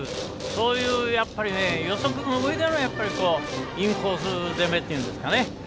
そういう予測のうえでのインコース攻めというんですかね。